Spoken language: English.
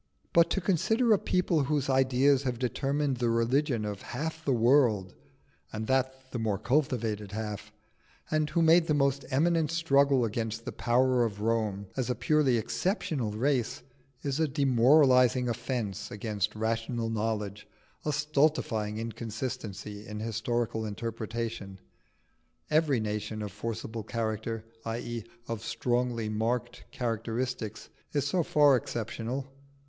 But to consider a people whose ideas have determined the religion of half the world, and that the more cultivated half, and who made the most eminent struggle against the power of Rome, as a purely exceptional race, is a demoralising offence against rational knowledge, a stultifying inconsistency in historical interpretation. Every nation of forcible character i.e., of strongly marked characteristics, is so far exceptional.